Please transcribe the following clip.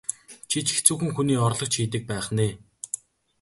Чи ч хэцүүхэн хүний орлогч хийдэг байх нь ээ?